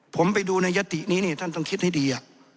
ผมไปดูในยตินี้เนี่ยท่านต้องคิดให้ดี